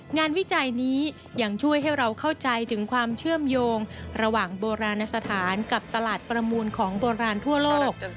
วิจัยนี้ยังช่วยให้เราเข้าใจถึงความเชื่อมโยงระหว่างโบราณสถานกับตลาดประมูลของโบราณทั่วโลก